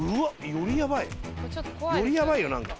よりやばいよ何か。